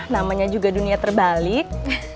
namanya juga dunia terbalik